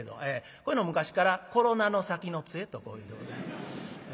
こういうの昔から「コロナの先の杖」とこう言うんでございます。